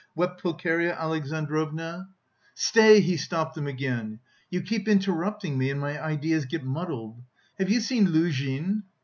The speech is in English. wept Pulcheria Alexandrovna. "Stay," he stopped them again, "you keep interrupting me, and my ideas get muddled.... Have you seen Luzhin?"